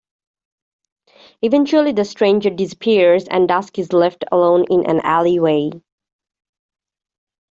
Eventually, the stranger disappears and Dusk is left alone in an alleyway.